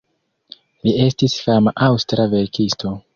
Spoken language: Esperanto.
Li estis fama aŭstra verkisto.